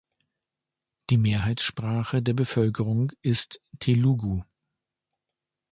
Die Mehrheitssprache der Bevölkerung ist Telugu.